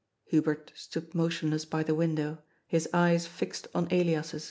Hubert stood motionless by the window, his eyes fixed on Elias's.